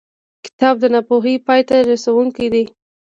کتاب د ناپوهۍ پای ته رسوونکی دی.